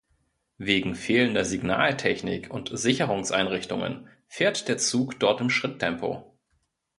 Wegen fehlender Signaltechnik und Sicherungseinrichtungen fährt der Zug dort im Schritttempo.